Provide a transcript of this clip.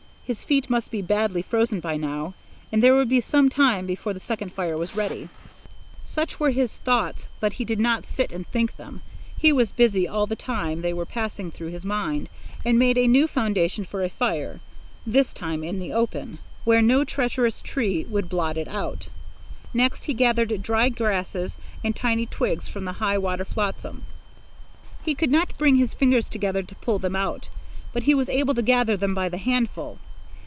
His feet must be badly frozen by now, and there would be some time before the second fire was ready. Such were his thoughts, but he did not sit and think them. He was busy all the time they were passing through his mind, he made a new foundation for a fire, this time in the open; where no treacherous tree could blot it out. Next, he gathered dry grasses and tiny twigs from the high water flotsam. He could not bring his fingers together to pull them out, but he was able to gather them by the handful.